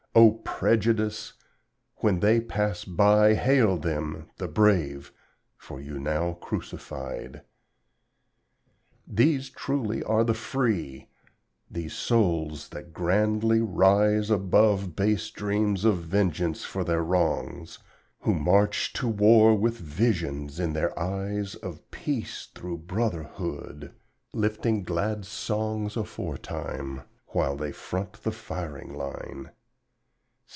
O Prejudice! When they pass by, Hail them, the Brave, for you now crucified! These truly are the Free, These souls that grandly rise Above base dreams of vengeance for their wrongs, Who march to war with visions in their eyes Of Peace through Brotherhood, lifting glad songs, Aforetime, while they front the firing line.